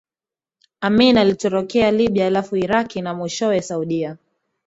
Amin alitorokea Libya halafu Iraki na mwishowe Saudia